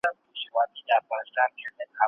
خر هیڅ نه تسلیمېدی د ملا زور ته